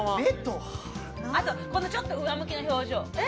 ちょっと上向きな表情。